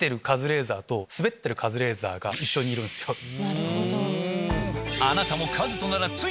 なるほど。